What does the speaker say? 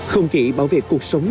không chỉ bảo vệ cuộc sống